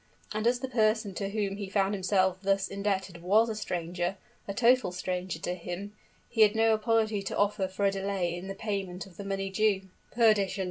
And as the person to whom he found himself thus indebted was a stranger a total stranger to him, he had no apology to offer for a delay in the payment of the money due. "Perdition!"